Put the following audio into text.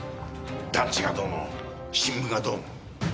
団地がどうの新聞がどうの。